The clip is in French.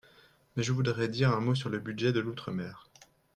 Mais je voudrais dire un mot sur le budget de l’outre-mer.